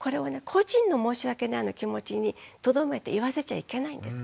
個人の申し訳ないの気持ちにとどめて言わせちゃいけないんです。